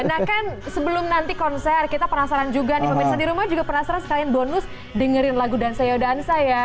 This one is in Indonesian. nah kan sebelum nanti konser kita penasaran juga nih pemirsa di rumah juga penasaran sekalian bonus dengerin lagu dansa yodansa ya